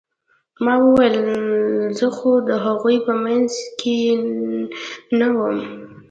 ما وويل زه خو د هغوى په منځ کښې نه وم.